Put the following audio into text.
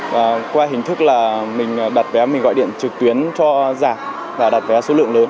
và qua hình thức là mình đặt vé mình gọi điện trực tuyến cho giả và đặt vé số lượng lớn